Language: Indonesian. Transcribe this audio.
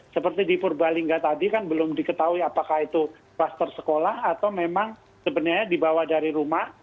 seperti di purbalingga tadi kan belum diketahui apakah itu kluster sekolah atau memang sebenarnya dibawa dari rumah